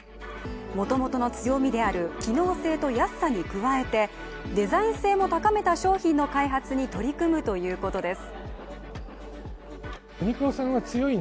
もともとの強みである機能性と安さに加えてデザイン性も高めた商品の開発に取り組むということです。